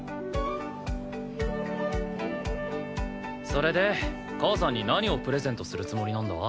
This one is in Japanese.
それで母さんに何をプレゼントするつもりなんだ？